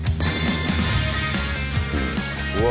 うわ。